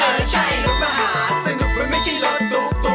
เออใช่รถมหาสนุกมันไม่ใช่รถตุ๊ก